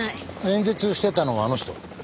演説してたのはあの人？